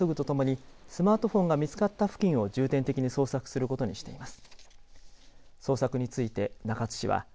このため女性のものかどうか確認を急ぐとともにスマートフォンが見つかった付近を重点的に捜索することにしています。